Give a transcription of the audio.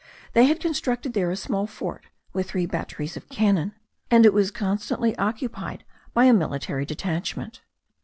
They had constructed there a small fort, with three batteries of cannon, and it was constantly occupied by a military detachment.